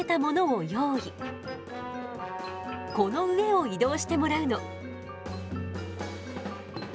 この上を移動してもらうの。